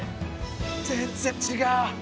全然違う。